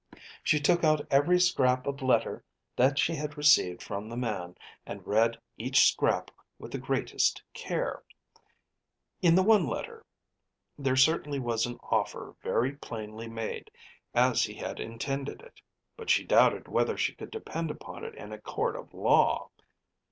She took out every scrap of letter that she had received from the man, and read each scrap with the greatest care. In the one letter there certainly was an offer very plainly made, as he had intended it; but she doubted whether she could depend upon it in a court of law.